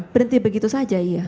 berhenti begitu saja iya